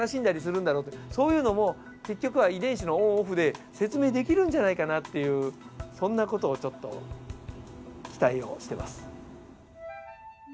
そういうのも結局は遺伝子のオンオフで説明できるんじゃないかなっていうそんな事をちょっと期待をしてます。